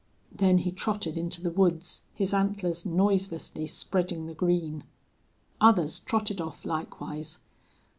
Then he trotted into the woods, his antlers noiselessly spreading the green. Others trotted off likewise.